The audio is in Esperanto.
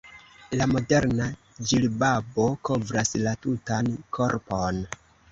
La moderna ĝilbabo kovras la tutan korpon.